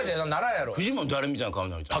フジモン誰みたいな顔になりたい？